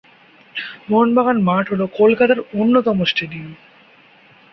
মোহনবাগান মাঠ হল কলকাতার অন্যতম স্টেডিয়াম।